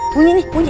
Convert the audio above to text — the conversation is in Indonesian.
punyi nih punyi